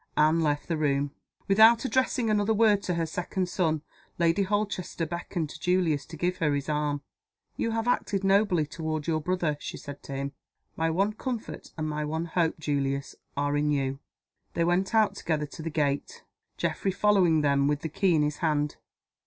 Anne left the room. Without addressing another word to her second son, Lady Holchester beckoned to Julius to give her his arm. "You have acted nobly toward your brother," she said to him. "My one comfort and my one hope, Julius, are in you." They went out together to the gate, Geoffrey following them with the key in his hand.